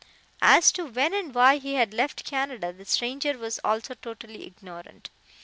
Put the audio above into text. As to when and why he had left Canada the stranger was also totally ignorant.